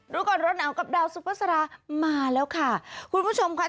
ดูก่อนรถหนากับดาวซุปเปอร์สารามาแล้วค่ะคุณผู้ชมค่ะ